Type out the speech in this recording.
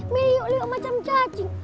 meliuk liuk macam cacing